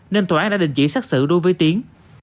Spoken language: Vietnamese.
nên tòa án đã đình chỉ xác xử đối với tiến